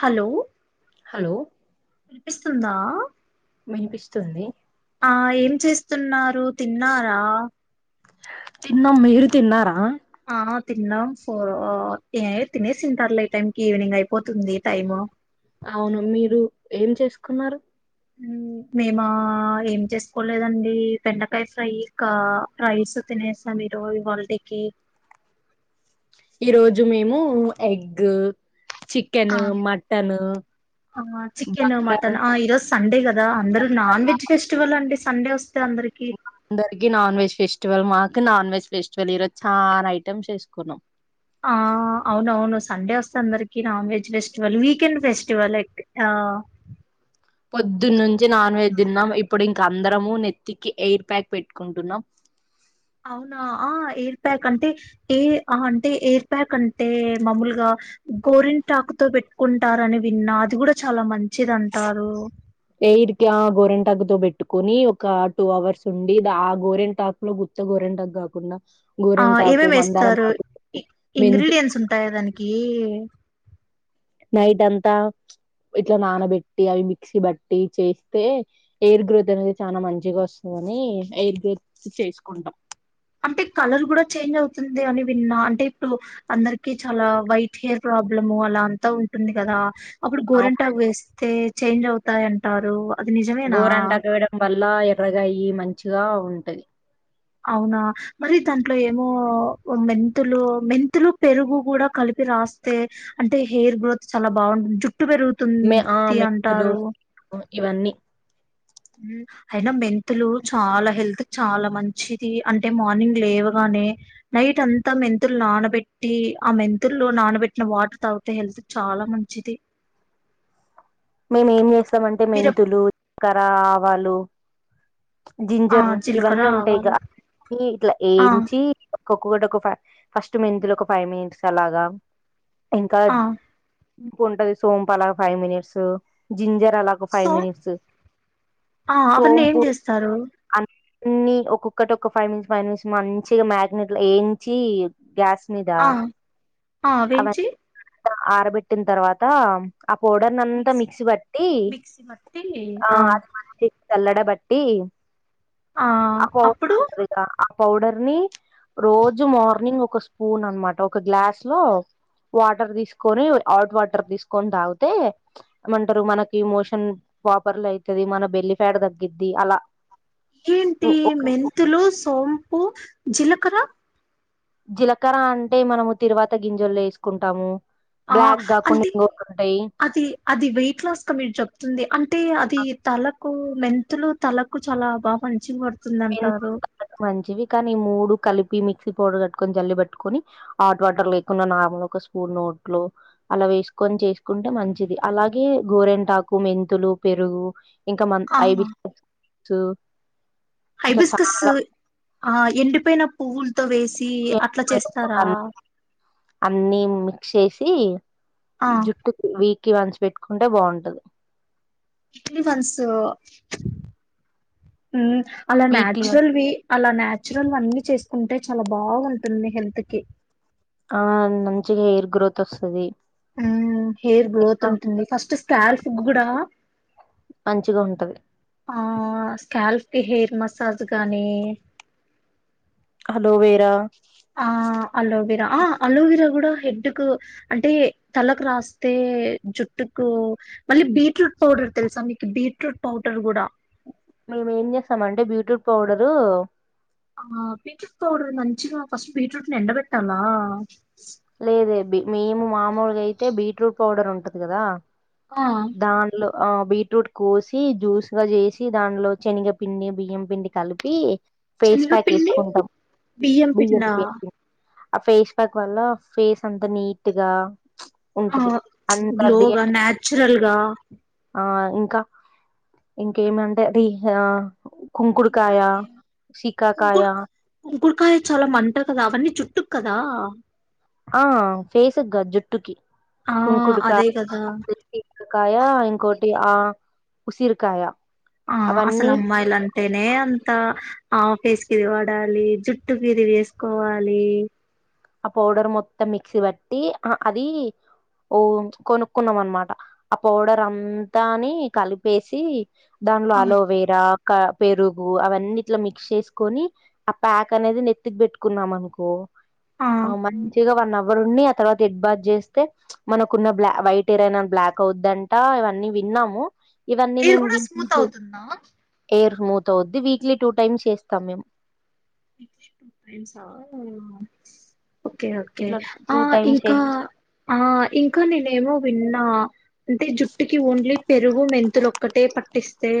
Hello hello వినిపిస్తుందా వినిపిస్తుంది ఆ ఏం చేస్తున్నారు తిన్నారా తిన్నమ్మ మీరు తిన్నారా ఆ తిన్నాం ఫోర్ ఆ తే తినే తినేసింటారులే ఈ టైం కి ఈవినింగ్ అయిపోతుంది టైము అవును మీరు ఏం చేసుకున్నారు మేమా ఏం చేసుకోలేదండి పెండకాయ ఫ్రై ఇంకా రైస్ తినేసాం ఈరోజు ఈ హాలిడేకి ఈ రోజు మేము egg chicken mutton chicken bagara mutton ఆ ఈరోజు సండే కదా అందరుూ నాన్ వెజ్ ఫెస్టివల్ అండి సండే‌వస్తే అందరికీ నాన్ వెజ్ ఫెస్టివల్ మా ఇ నాన్ వెజ్ ఫెస్టివల్ ఈరోజు చాలా ఐటమ్స్ వేసుకున్నాం ఆ అవునవును సండే వస్త అందరికి non veg festival weekend festival ఆ పొద్దున్న నుంచి నాన్ వెజ్ తిన్నాం ఇప్పుడు ఇంక అందరము నెత్తికి ఎయిర్ ప్యాక్ పెట్టుకుంటున్నాం అవునా ఆ ఎయిర్ ప్యాక్ అంటే ఏ అంటే ఎయిర్ ప్యాక్ అంటే మామూలుగా గోరిన్ టాక్ తో పెట్టుకుంటారని విన్నా అది కూడా చాలా మంచి ఎయిర్ కా గోరెంట్గతోబెట్టి కట్టుకొని ఒక టూ అవర్స్ ఉండి ఆ గోరెంట టాక్ లో గుత్త గోరెంటాక్ కాకుండా ఆ ఏమేమి వేస్తారు మెంతులు ఇంగ్రీడియంట్స్ ఉంటాయా దానికి నైట్ అంతా ఇట్లా నానబెట్టి అవి మిక్సీ బట్టి చేస్తే ఎయిర్ గ్రోత్ అనేది చాలా మంచిగా వస్తుందని ఎయిర్ గ్రోత్ చేసుకుంటాం అంటే కలర్ కూడా చేంజ్ అవుతుంది అని విన్నా అంటే ఇప్పుడు అందరికి చాలా వైట్ హెయిర్ ప్రాబ్లం అలా అంతా ఉంటుంది కదా అప్పుడు అవును. గోరింటాకు వేస్తే చేంజ్ అవుతాయింటారు గోరంట గేయడం వల్ల ఎర్రగాయి మంచి యా ఉంటయి అవునా మరి దాంట్లో ఏమో మెంతులు మెంతులు పెరుగు కూడా కలిపి రాస్తే అంటె హెయిర్ గ్రోత్ చాల బాగుంటుంది జుట్ జుట్టు మె ఆ! పెరుగుతుంది మెంతులు అంటారు ఇవన్నీ అయినా మెంతులు చాలా హెల్త్ చాలా మంచిది అంటె మార్నింగ్ లేవగానె నైట్ అంతా మెంతులు నానబెట్టి ఆ మెంతుల్లో నానబెట్టిన వాటర్ తాగితె హెల్త్కి చాల మంచిది. మేము ఏం చేస్ స్తాం అంటె మీరు ఎప్- మెంతులు కర ఆవాలు ఆ జింజర్ జీలకర్ర ఇవన్నీ ఉంటాయి గ ఆవాలు ఇట్ల ఆ ఏంచి ఒక్కోటి ఒక ఫై ఫస్ట్ మెంతులు ఒక ఫైవ్ మినిట్స్ అలాగ ఇంకా ఆ ఇంక ఉంటది సోంప్ అలాగ ఫైవ్ మినిట్సు జింజర్ అలాకు ఫైవ్ సో మినిట్స్ సోంపు తారు అన్ని ఒక్కొక్కటి ఒక ఫైవ్ మినిట్స్ ఫైవ్ మినిట్స్ మంచిగా మ్యాగ్నేెట్ లో ఏంచి గ్యాస్ స్మిదా ఆ ఆ వేంచి ఆరబెట్టిన తర్వాత ఆ పౌడర్ నంతా మిక్సీ పట్టి మిక్సీ పట్టి ఆ అది మంచి జల్లెడ బట్టి ఆ అప్పుడు ఆ పౌడర్ ని రోజు మార్నింగ్ ఒక స్పూన్ అనమాట ఒక గ్లాస్ లో వాటర్ తీసుకొని హాట్ వాటర్ తీసుకొని తాగితే ఏమంటారు మనకి మోషన్ ప్రాపర్లి అయితది మన బెల్లి ఫ్యాట్ తగ్గిద్ది అలా ఏంటి ఉ ఒ మెంతులు సో సోంపు జిలకర జిలకర అంటే మనము తిరువాత గింజల్లో ఏసుకుంటాము ఆ అంటే ఆ అది అది వెయిట్ లాస్గా మీరు చెప్తుంది అంటే అది తల కు మెంతులు తలకు చాలా బా మంచిగ పడ్ మెంతులు తుందంటారు చల్లగా మంచివి కానీ మూడు కలిపి మిక్సీ పౌడర్ అట్టుకొని జల్లి పట్టుకొని హాట్ వాటర్ లేకుండా నార్మల్ ఒక స్పూన్ నోట్ లో అలా వేసుకొని చేసుకుంటె మంచిది అలాగె గోరెంటాకు మెంతులు పెరుగు ఇంకా మన ఆ ఐ బిస్ కస్ తు హైబిస్కస్ ఆ ఎండిపొయ్న పువుల్ తొ వేసి అట్ల చేస్తారా చేశి ఆ జుట్టుకి వీక్ కి వంచి పెట్టుకుంటే బాగుంటది ఇడ్లీ వన్స్ ఉమ్ అలా వీక్లీ న్యాచురల్ వి అలా నాచురల్ అన్ని చేసుకుంటే చాలా బాగుంటుంది హెల్త్ కి ఆ మంచిగా హెయిర్ గ్రోత్ వస్తది ఉహ్ హెయిర్ గ్రోత్ ఉంటుంది ఫస్ట్ స్కాల్ఫ్ కూడా మంచిగా ఉంటది ఆ స్కాల్ఫ్ కి హేర్ మసాజ్ గాని అలోవెరా ఆ అలోవెరా ఆ అలోవెరా కూడా హెడ్కు అంటే తలకు రాస్తే జుట్టుకు మళ్ళీ బీట్రూట్ పౌడర్ తెలుసా మీకు బీట్రూట్ పౌడర్ కూడా మేమేం చేస్తామంటే బీట్రూట్ పౌడరు ఆ బీట్రూట్ పౌడర్ మంచిగా ఫస్ట్ బీట్రూట్ ని ఎండబెట్టాలా లేదే బి మేము మామూలుగా అయితే బీట్రూట్ పౌడర్ ఉంటది కదా ఆ దానిలో ఆ బీట్రూట్ కోసి జ్యూస్ గా చేసి దాంట్లో శనగపిండి బియ్యం పిండి కలిపి ఫేస్ ప్యాక్ శనగపిండి వేసుకుంటాం బియ్యం పిండా [unintelligible] ఆ ఫేస్ ప్యాక్ వల్ల ఫేస్ అంతా నీట్గా ఆ గ్లోగా నాచురల్గా ఆ ఇంకా ఇంకేమంటే రీ హా ఇంకా కుంకుడుకాయ కుంకుడుకాయ చాలా మంటా కదా అవన్నీ జుట్టు కదా ఆ ఫేసుగాదు జుట్టుకి ఆ కుంకుడు అదే కదా కాయ షికకయా ఇంకోటి ఆ ఉసిరికాయ ఆ అసలు అవన్నీ అమ్మాయిల అంటేనే అంత ఆ ఫేస్ ఏది వాడాలి జుట్టు ఏది వేసుకోవాలి ఆ పౌడర్ మొత్తం మిక్సీ వట్టి అది ఓ కొనుకున్నాం అనమాట ఆ పౌడర్ అంతాని కలిపేసి దాంట్లో ఆ అలోవేరా కా పెరుగు అవన్నీ ఇట్లా మిక్స్ చేసుకొని ఆ ప్యాక్ అనేది నెత్తికి పెట్టుకున్నాం అనుకో ఆ మంచిగా వన్ అవ్ అవర్ ఉండి ఆ తర్వాత హెడ్ బాత్ చేస్తే మనకున్న బ్లా వైట్ హెయిర్ అయిన బ్లాక్ అవుద్దంట ఇవన్నీ విన్నాము ఇవన్నీ ఇది మేము కూడా స్మూత్ [unintelligible] అవుతుందా హెయిర్ స్మూత్ అవ్వుది వీక్లీ టూ టైమ్స్ చేస్తాం మేము [unintelligible] ఓకే ఓకే ఇట్లా ఆ టూ టైమ్స్ ఇంకా ఆ ఇంకా నేనేమో విన్నా అంటే జుట్టుకి ఓన్లీ పెరుగు మెంతులు ఒక్కటే పట్టిస్తే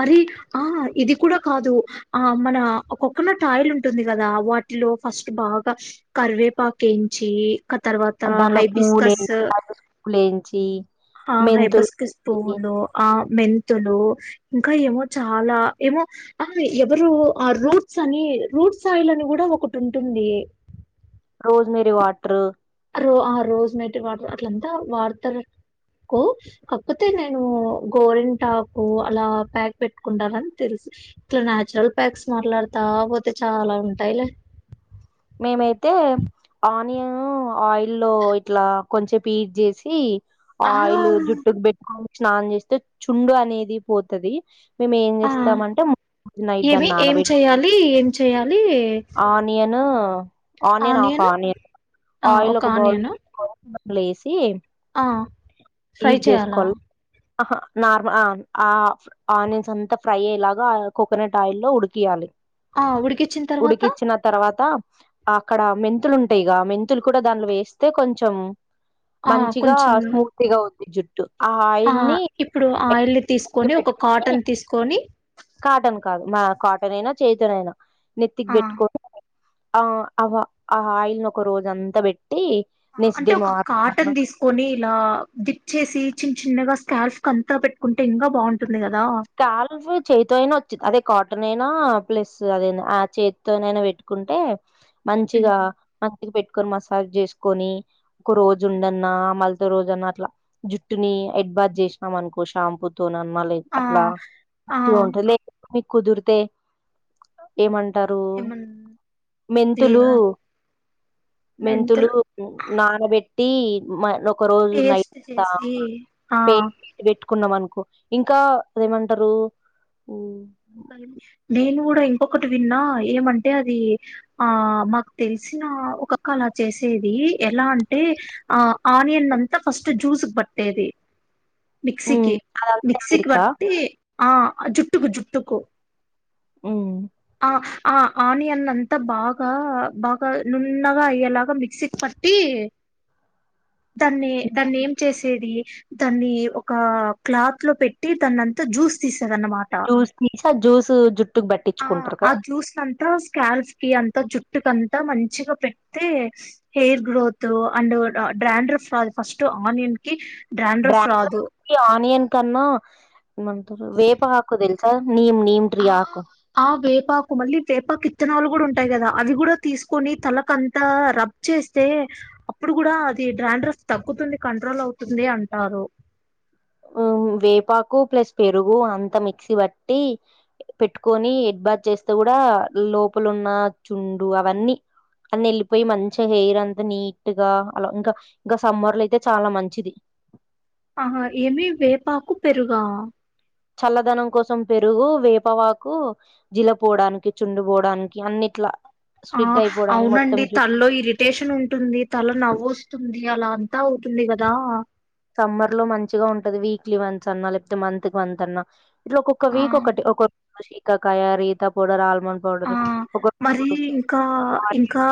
మరి ఆ ఇది కూడా కాదు ఆ మన ఆ కొక్కనట్ ఆయిల్ ఉంటుంది కదా వాటిలో ఫస్ట్ బాగా కరివేపాకేంచి క తర్వాత దానిలో పూలు హైబిస్కస్ వేయించి పూలు వేయించి ఆ మెంతులు హైబస్కస్ పువులు ఆ మెన్ తులూ ఇంకా ఏమో చాలా ఏమో ఆ ఎవరు ఆ రూట్ ట్స్ అని రూట్స్ ఆయిల్ అని కూడా ఒకటుంటుంది రోజ్మెరీ వాట్రూ రో ఆ రోజ్ మేటి వాటర్ అట్లంతా వాడతా రుకు కాకపోతే నేను గోరింటాకు అలా ప్యాక్ పెట్టుకుంటానని తెలుసు ఇట్లా నాచురల్ ప్యాక్స్ మాట్లాడతా పోతే చాలా ఉంటాయిలే మైతే ఆనియన్ ఆయిల్ లో ఇట్లా కొంచేప్ హీట్ చేసి ఆ ఆయిల్ జుట్టుకి పెట్టుకోవాలి స్నానం చేస్తే చుండు అనేది పోతది మేమేం ఆ చేస్తామంటే [unintelligible] ఏమి ఏం నానబెట్ చెయ్యాలి ఏం చెయ్యాలి ఆనియన్ నా ఆనియన్ ఆఫ్ ఆనియన్ ఆ ఆయిల్ ఒక బౌల్లో ఆనియన్ తీస్కో ఏసి ఆ ఫ్రై హీట్ చేయాలా చేసుకోవాలి ఆహా నార్మల్ ఆ ఆనియన్స్ అంతా ఫ్రై అయ్యేలాగా ఆ కోకోనట్ ఆయిల్లో ఉడికియాలి ఆ ఉడికిచ్చిన తర్వాత ఉడికిచ్చిన తర్వాత అక్కడ మెంతులు ఉంటాయిగా మెంతులు కూడా దానిలో వేస్తే కొంచెం ఆ మంచిగా కొంచెం స్మూతిగావ్ [inaudible] ఆ ఇప్పుడు ఆయిలు నెత్తికి తీసుకొని ఒక పెట్టుకొని కాటన్ తీసుకొని కాటన్ కాదు మా కాటన్ అయినా చెయితోనైనా నెత్తికి ఆ పెట్టుకోని ఆ అ ఆ ఆయిల్ని ఒక రోజంతా పెట్ అంటే ఒక కాటన్ తీసుకోని ఇలా డిప్ చేసి చిన్న చిన్నగా స్కాల్ఫ్ అంతా పెట్టుకుంటే ఇంకా బాగుంటద్ స్కాల్ఫ్ చెయితో అయిన వచ్చిది అదే కా టనైనా ప్లస్ అదైనా ఆ చేతితోనైనా పెట్టుకుంటే మంచిగా మంచిగా పెట్టు కుక్కర్ మసాజ్ చేసుకొని ఒక్క రోజు ఉండన్నా మళ్ పె రోజన్న అట్లా జుట్టుని ఎడ్ బాజ్ చేసినాం అనుకో షాంపూ తోన్న మ ఆ ఆ అట్లాగా ఉంటాంది లే మీ కుదురతే ఏమంట టారు ఏమన్ మెంతులు క్లియర్గా మెంతులు నానబెట్టి టి ఒక రోజు నైట్ పేస్ట్ అంతా చేసి ఆ పే పెట్టుకున్నాం అనుకు ఇంకా ఏమంటారు కా నేను కూడా ఇంకొకటి విన్నా, ఏమంటే అది ఆ మాకు తెలిసిన ఒకక్క అలా చేసేది, ఎలా అంటే ఆ ఆనియన్ అంతా ఫస్ట్ జ్యూస్ పట్టేది మిక్సీకి అదంతా మిక్సీకి ఎరికా బట్టి ఆ జుట్టుకు జు పుట్టుకు ఉ ఆ ఆనినన్ అంత బాగా బాగా నున్నగా అయేలాగా మిక్సీ పట్టి, దన్నీ దాన్ని ఏ చేసెది దాన్నీ ఒక క్లాత్ లో పెట్టి దాని అంత జ్యూస్ తి జూస్ ని జూస్ జుట్ ఆ ఆ జ్యూస్ అంత స్కాల్స్ కి అంతా జుట్టుకంతా మంచిగా పెడితే, హెయిర్ గ్రోత్ అండ్ డ్రాండర్ ఫ ఫస్ట్ ఆనియన్ కి డాండ్రఫ్ రాదు డ్రాండ్రాప్ ఆనియన్ కన్నా ఎంటారు వేప హాకు తెలుసా నీమ్ నీమ్ ట్రీ ఆ ఆకు ఆ వేపాకు మళ్ళీ వేపాక్ ఇ విత్తనాలు కూడా ఉంటాయి కదా అవి కూడా తీసుకొని తలకంతా రబ్ చేస్తే, అప్పుడు కూడా అది డ్రాడ్్రఫ్ తగ్గుతుంది కంట్రోల్ అవుతుంది అంటారు. ఉ వేపాకు ప్లస్ పెరుగు అంత మిక్సీ బట్టి పెట్టుకొని, హెడ్ బాత్ చేస్తే కూడా లోపల ఉన్న చుండు అవన్నీ అన్న వెళ్ళిపోయి, మంచిగా హెయిర్ అంత నీట్గా అలా ఇంకా ఇంకా సమ్మర్లో అయితే చాలా మంచిది. ఆహా ఏమి వేపాకు పెరుగా చల్లదనం కోసం పెరుగు వేపవాకు జీల పోవడానికి చుండు పోవడానికి అన్నిట్లా ఆ స్ప్లిట్ అయిపోవడానికి మొత్తం అవునండి జుట్టు తనలో ఇరిటేషన్ ఉంటుంది తల నవ్్వొస్తు ఉంది అలా అంతా అవుతుంది కదా సమ్మర్ లో మంచిగా ఉంటది వీక్లీ వన్స్ అన్నా లేకపోతే మంత్ కి వన్స్ అన్నా ఇట్లా ఒక్కొక్క ఆ వీక్ ఒకటి ఒక క రీత పడర్ ఆల్ ఆ మరి ఇంకా ఇంకా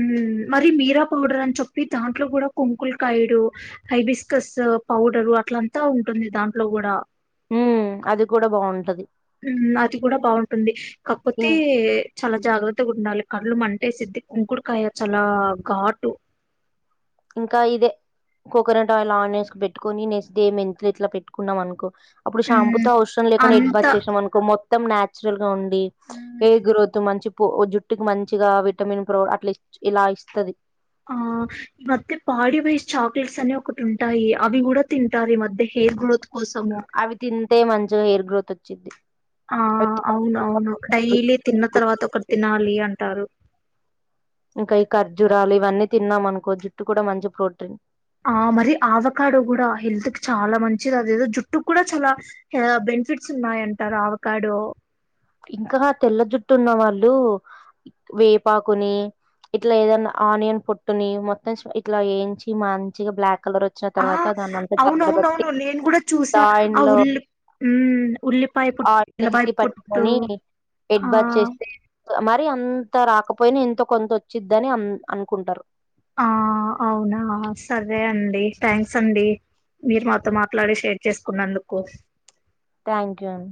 ఉ మరి మీరా పౌడర్ అని చెప్పి దాంట్లో కూడా కొంకులు కాయడు, హైబిస్కస్ పౌడరు అట్లంతా ఉంటుంది దాంట్లో కూడా హఉ అది కూడా బాగుంటది మ్ అది కూడా బాగుంటుంది కాకపోతే ఇం చాలా జాగ్రత్తగా ఉండాలి, కళ్ళ మంటే సిద్ధి కుంకుడుకాయ చాలా ఘాటు ఇంకా ఇదే కోకోనట్ ఆయిల్ ఆన్ చేసుకొని పెట్టుకొని, నెక్స్ట్ డే మెంతలు ఇట్లా పెట్టుకున్నాం అనుకో అప్పుడు హ్మ్ షాప్తో అవసరం లేకుని అంత ఎడ్బాత్ చేసామనుకో మొం మ్ నేచురల్ ఉండి హ్మ్ ఏ గ్రోత్ మంచి జుట్టుకి మంచిగా విటమిన్ ప్రో అట్లా ఇలా ఇస్తుంది ఆ ఈ మధ్య పాడీ వైజ్ చాక్లెట్స్ అని ఒకటి ఉంటాయి. అవి కూడా తింటారు. ఈ మధ్య హెయిర్ గ్రోత్ కోసము. అవి తింటే మంచిగా హెయిర్ గ్రోత్ వత్ చిద్ద ఆ అవును అవును డైలీ తిన్న తర్వాత ఒకటి తినాలి అంటారు. ఇంకా ఈ ఖర్జూరాలు ఇవన్నీ తిన్నాం అనుకో జుట్టు కూడా మంచి ప్రోటీన్ ఆ మరి ఆవకాడ కూడా హెల్త్ కి చాలా మంచిది. అదేదో జుట్టుకు కూడా చాలా బెనిఫిట్స్ ఉన్నాయంటగా ఆవకాడో. ఇంకా తెల్ల జుట్టు ఉన్న వాళ్ళు, వేపాకుని ఇట్లా ఏదన్నా ఆనియన్ పొట్టుని, మొత్తం ఇట్లా వేయించి మంచిగా బ్లాక్, కలర్ వచ్చిన తర్వాత ఆ దాన్ని అంతా చల్లడబట్టి అవునవునవును నేను కూడా చూసా ఆ ఉల్ ఉమ్ ఉల్లిపాయ పుట్టు ఆట్లే ఉల్లిపాయ ఏసి పుట్టు పట్టుకొని హెడ్ ఆ బాత్ చేస్తే మ మరి అంత రాకపోయినా ఎంత కొంత వచ్చిద్ధి అని అ అనుకుంటారు ఆ అవునా సరే అండి థ్యాంక్స్ అండి మీరు మాతో మాట్లాడి షేర్ చేసుకున్నందుకు థ్యాంక్ యూ అండి